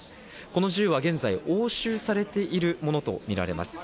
この銃は現在、押収されているものとみられます。